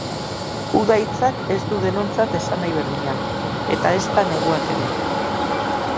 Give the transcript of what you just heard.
Uda hitzak ez du denontzat esanahi berdina eta ezta neguak ere.